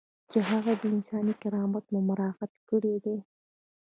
چې د هغه انساني کرامت مو مراعات کړی دی.